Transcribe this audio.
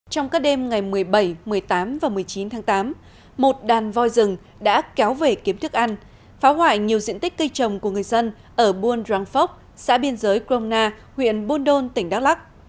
trong các đêm ngày một mươi bảy một mươi tám và một mươi chín tháng tám một đàn voi rừng đã kéo về kiếm thức ăn phá hoại nhiều diện tích cây trồng của người dân ở buôn răng phốc xã biên giới crona huyện buôn đôn tỉnh đắk lắc